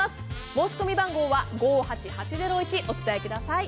申し込み番号は５８８０１お伝えください。